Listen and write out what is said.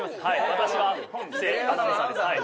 私は布施アナウンサーですはい。